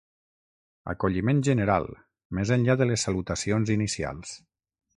Acolliment general, més enllà de les salutacions inicials.